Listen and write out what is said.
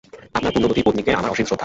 আপনার পুণ্যবতী পত্নীকে আমার অসীম শ্রদ্ধা।